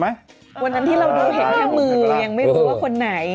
หวันนั้นที่เราดูแต่มือก็แค่ไม่รู้ว่าคนไหน